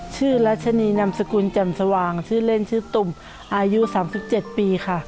ชื่อรัชนีนามสกุลแจ่มสว่างชื่อเล่นชื่อตุ่มอายุ๓๗ปีค่ะ